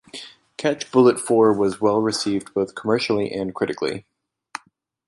"Catch Bull at Four" was well received both commercially and critically.